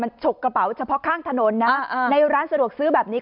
มันฉกกระเป๋าเฉพาะข้างถนนนะในร้านสะดวกซื้อแบบนี้